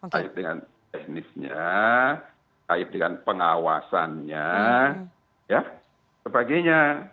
kait dengan teknisnya kait dengan pengawasannya sebagainya